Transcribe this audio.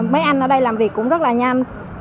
mấy anh ở đây làm việc cũng rất là nhanh